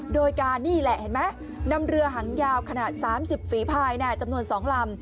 โดยการนี่แหละเห็นไหมนำเรือหางยาวขนาด๓๐ฝีภายจำนวน๒ลำ